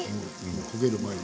焦げる前に。